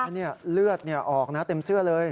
นี่เลือดออกนะเต็มเสื้อเลย